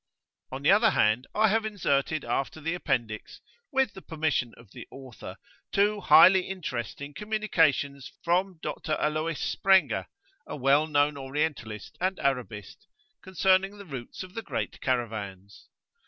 On the other hand, I have inserted after the Appendix, with the permission of the author, two highly interesting communications from Dr. Aloys Sprenger, the well known Orientalist and Arabist, concerning the routes of the Great Caravans.